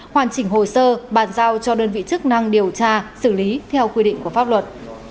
hoàn chỉnh hồ sơ bàn giao cho đơn vị chức năng điều tra xử lý theo quy định của pháp luật